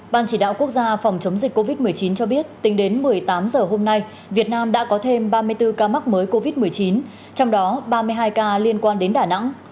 ban chỉ đạo quốc gia phòng chống dịch covid một mươi chín cho biết tính đến một mươi tám h hôm nay việt nam đã có thêm ba mươi bốn ca mắc mới covid một mươi chín trong đó ba mươi hai ca liên quan đến đà nẵng